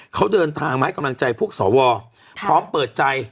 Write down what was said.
เขาเดินทางมาให้กำลังใจพวกสวพร้อมเปิดใจ